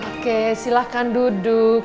oke silahkan duduk